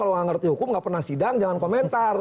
kalau nggak ngerti hukum nggak pernah sidang jangan komentar